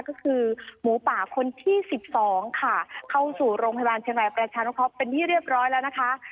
ก็คือหมูป่าคนที่๑๒ค่ะเข้าสู่โรงพยาบาลเชียงรายประชานุเคราะห์เป็นที่เรียบร้อยแล้วนะคะ